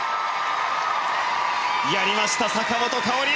やりました、坂本花織。